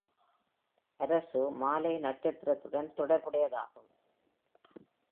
Arsu மாலை நட்சத்திரத்துடன் தொடர்புடையதாகும்.